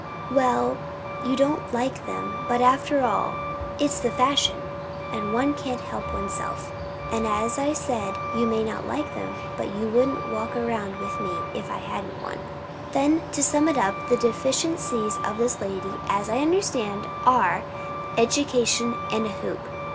"Well, you don't like them; but, after all, it's the fashion, and one can't help oneself. And, as I said, you may not like them, but you wouldn't walk with me if I hadn't one." "Then, to sum up the deficiencies of this lady, as I understand, are, education and a hoop?